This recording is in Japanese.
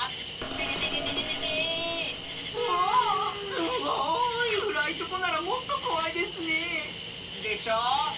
すごい！くらいとこならもっとこわいですねえ。でしょう？